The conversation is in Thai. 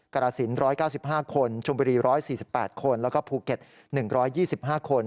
กรสิน๑๙๕คนชมบุรี๑๔๘คนแล้วก็ภูเก็ต๑๒๕คน